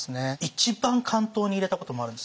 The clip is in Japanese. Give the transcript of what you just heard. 一番巻頭に入れたこともあるんですよ。